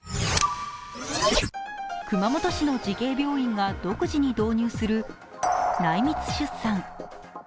熊本市の慈恵病院が独自に導入する内密出産。